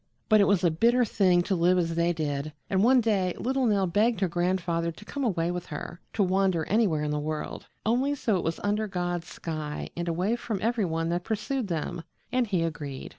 But it was a bitter thing to live as they did, and one day little Nell begged her grandfather to come away with her to wander anywhere in the world, only so it was under God's sky and away from every one that pursued them and he agreed.